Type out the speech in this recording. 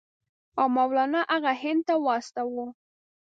او مولنا هغه هند ته واستاوه.